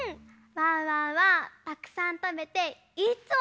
ワンワンはたくさんたべていっつもげんき！